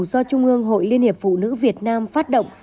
do trung ương hội liên hiệp phụ nữ việt nam phát động